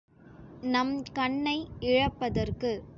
நம் கண்ணை இழுப்பதற்கு.